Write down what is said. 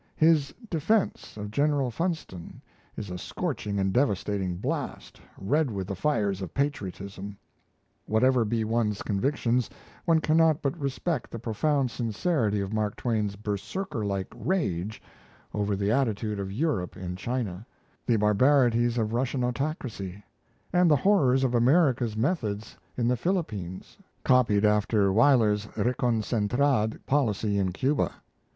His "defence" of General Funston is a scorching and devastating blast, red with the fires of patriotism. Whatever be one's convictions, one cannot but respect the profound sincerity of Mark Twain's berserker like rage over the attitude of Europe in China, the barbarities of Russian autocracy, and the horrors of America's methods in the Philippines, copied after Weyler's reconcentrado policy in Cuba.